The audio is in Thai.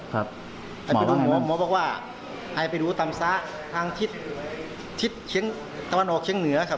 อาจารย์หมอบอกว่าให้ไปดูตำซะทางทิศเชียงตะวันออกเชียงเหนือครับ